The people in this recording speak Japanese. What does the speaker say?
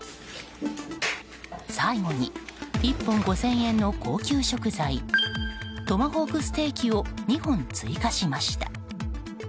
最後に１本５０００円の高級食材トマホークステーキを２本追加しました。